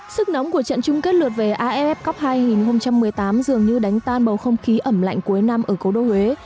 sức nóng của trận chung kết lượt về af cup hai nghìn một mươi tám dường như đánh tan bầu không khí ẩm lạnh cuối năm ở cố đô huế